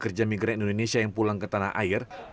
pekerja migran indonesia yang pulang ke tanah air